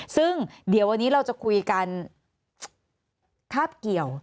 ซึ่งเดี๋ยววันนี้เราจะคุยกันคาบเกี่ยว